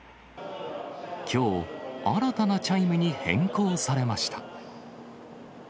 きょう、新たなチャイムに変更されました。